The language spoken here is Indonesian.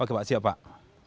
oke pak siap pak